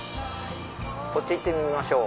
こっち行ってみましょう。